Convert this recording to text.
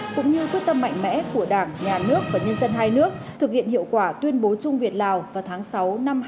cũng như quyết tâm mạnh mẽ của đảng nhà nước và nhân dân hai nước thực hiện hiệu quả tuyên bố chung việt lào vào tháng sáu năm hai nghìn hai mươi